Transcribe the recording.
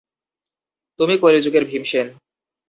তুমি কলিযুগের ভীমসেন!